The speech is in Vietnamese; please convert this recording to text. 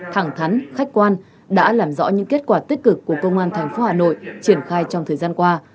thẳng thắn khách quan đã làm rõ những kết quả tích cực của công an tp hà nội triển khai trong thời gian qua